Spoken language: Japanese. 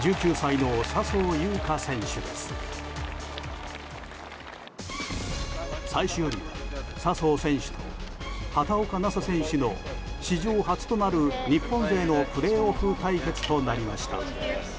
最終日、笹生選手と畑岡奈紗選手の史上初となる日本勢のプレーオフ対決となりました。